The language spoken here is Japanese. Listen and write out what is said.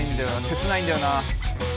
切ないんだよな。